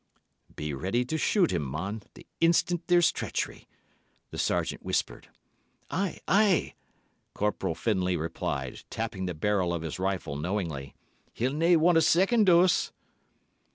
"Be ready to shoot him, mon, the instant there's treachery," the Sergeant whispered. "Aye, Aye!" Corporal Findlay replied, tapping the barrel of his rifle knowingly. "He'll nae want a second dose."